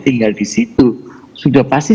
tinggal di situ sudah pasti